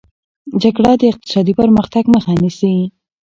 جګړه د اقتصادي پرمختګ مخه نیسي.